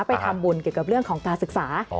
ไปทำบุญเกี่ยวกับเรื่องของการศึกษา